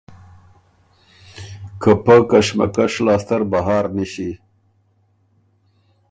که پۀ کشمکش لاسته ر بهر نِݭی